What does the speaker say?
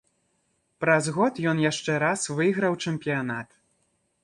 Праз год ён яшчэ раз выйграў чэмпіянат.